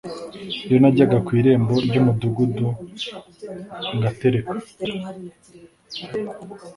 iyo najyaga ku irembo ry umudugudu ngatereka